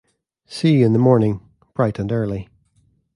See you in the morning, bright and early.